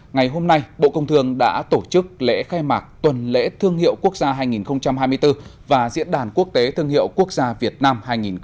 ngày hôm nay bộ công thương đã tổ chức lễ khai mạc tuần lễ thương hiệu quốc gia hai nghìn hai mươi bốn và diễn đàn quốc tế thương hiệu quốc gia việt nam hai nghìn hai mươi bốn